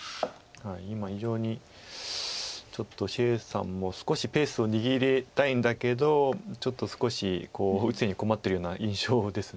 今非常にちょっと謝さんも少しペースを握りたいんだけどちょっと少し打つのに困ってるような印象です。